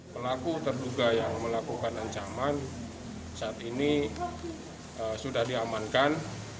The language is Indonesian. pelaku terduga yang melakukan ancaman saat ini sudah diamankan